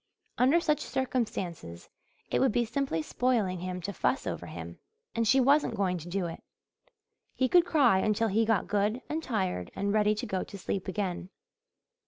Under such circumstances it would be simply spoiling him to fuss over him, and she wasn't going to do it. He could cry until he got good and tired and ready to go to sleep again.